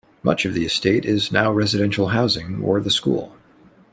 Much of the estate is now residential housing or the school.